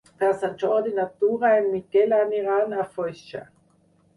Per Sant Jordi na Tura i en Miquel aniran a Foixà.